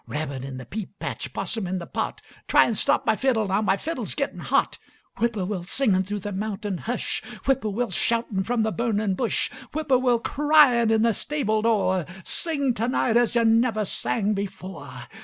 Rabbit in the pea patch, possum in the pot, Try an' stop my fiddle, now my fiddle's gettin' hot! Whippoorwill, singin' thu' the mountain hush, Whippoorwill, shoutin' from the burnin' bush, Whippoorwill, cryin' in the stable door, Sing tonight as yuh never sang before!